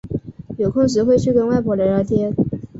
有空时会去跟外婆聊聊天